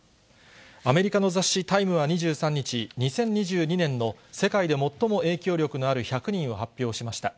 アメリカの雑誌、タイムは２３日、２０２２年の世界で最も影響力のある１００人を発表しました。